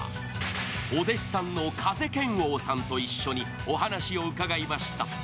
お弟子さんの風賢央さんと一緒にお話を伺いました。